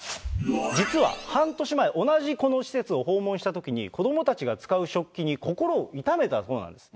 実は、半年前、同じこの施設を訪問したときに、子どもたちが使う食器に心を痛めたそうなんです。